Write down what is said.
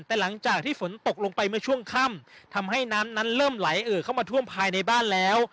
แต่หลังจากที่ฝนตกลงไปเมื่อช่วงค่ำทำให้น้ำนั้นเริ่มไหลเอ่อเข้ามาท่วมภายในบ้านแล้ว